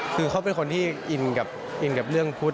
คือเขาเป็นคนที่อินกับเรื่องพุทธ